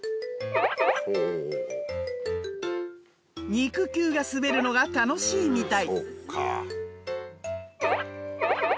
肉球が滑るのが楽しいみたい。